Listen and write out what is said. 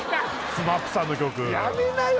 ＳＭＡＰさんの曲やめなよ